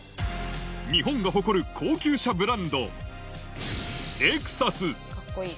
日本が誇る高級車ブランド、レクサス。